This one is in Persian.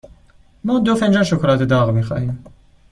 ما دو فنجان شکلات داغ می خواهیم.